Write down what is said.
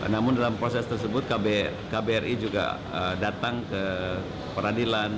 namun dalam proses tersebut kbri juga datang ke peradilan